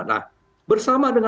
nah bersama dengan